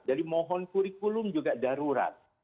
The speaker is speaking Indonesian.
jadi mohon kurikulum juga darurat